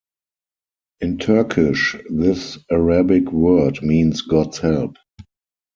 In Turkish, this Arabic word means 'God's Help.